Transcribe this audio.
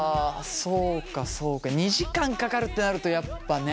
そうかそうか２時間かかるってなるとやっぱね。